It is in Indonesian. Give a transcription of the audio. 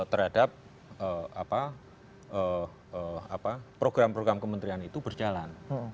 terhadap program program kementerian itu berjalan